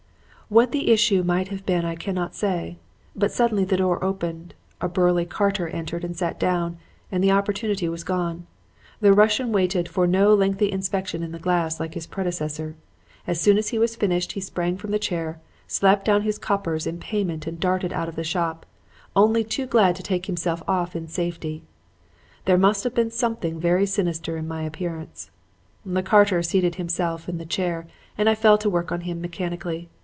"What the issue might have been I cannot say. But suddenly the door opened, a burly carter entered and sat down, and the opportunity was gone. The Russian waited for no lengthy inspection in the glass like his predecessor. As soon as he was finished he sprang from the chair, slapped down his coppers in payment and darted out of the shop, only too glad to take himself off in safety. There must have been something very sinister in my appearance. "The carter seated himself in the chair and I fell to work on him mechanically.